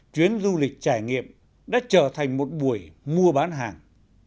chuyến du lịch trải nghiệm đã trở thành một buổi mua bán hàng